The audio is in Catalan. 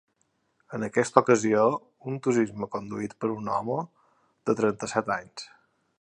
En aquesta ocasió, un turisme conduït per un home, de trenta-set anys.